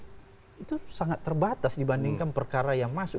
itu sangat terbatas dibandingkan perkara yang masuk